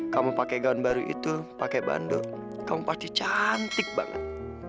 kamu pakai gaun baru itu pakai bandel kamu pasti cantik banget